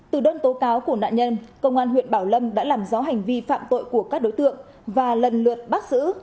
từ đơn tố cáo của nạn nhân công an huyện bảo lâm đã làm rõ hành vi phạm tội của các đối tượng và lần lượt bắt giữ